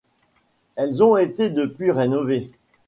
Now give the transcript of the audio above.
Elles ont depuis été rénovées.